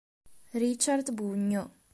Richard Bugno